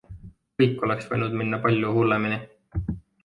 Kõik oleks võinud minna palju hullemini.